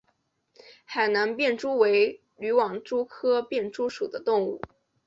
海南便蛛为缕网蛛科便蛛属的动物。